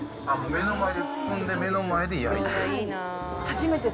目の前で包んで、目の前で焼いて。